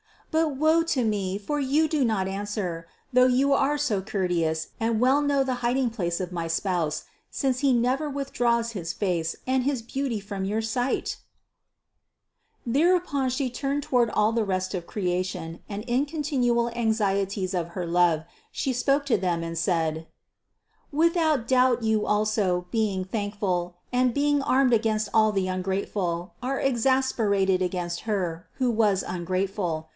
But woe to me, for you do not answer, though you are so courteous and well know the hiding place of my Spouse, since He never withdraws his face and his beauty from your sight!" 526 CITY OF GOD 682. Thereupon She turned toward all the rest of crea tion and in continual anxieties of her love She spoke to them and said : "Without doubt you also, being thankful, and being armed against all the ungrateful, are ex asperated against her, who was ungrateful.